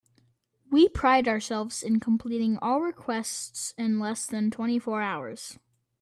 We pride ourselves in completing all requests in less than twenty four hours.